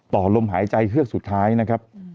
ลมหายใจเฮือกสุดท้ายนะครับ